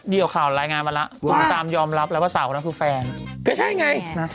เออแล้วทำไมไม่เห็นเล่าเลยอย่างเงี๊ยะ